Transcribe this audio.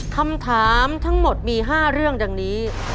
คำถามทั้งหมดมี๕เรื่องดังนี้